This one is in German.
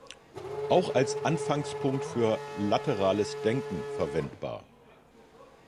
Auch als Anfangspunkt für laterales Denken verwendbar.